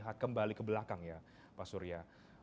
melihat kembali ke belakang ya pak surya